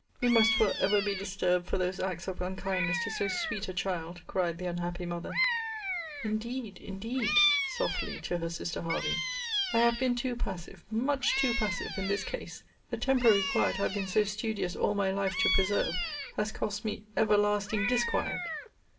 We must for ever be disturbed for those acts of unkindness to so sweet a child, cried the unhappy mother! Indeed! indeed! [softly to her sister Hervey,] I have been too passive, much too passive in this case! The temporary quiet I have been so studious all my life to preserve, has cost me everlasting disquiet!